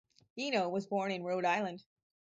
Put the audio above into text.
Eno was born in Rhode Island.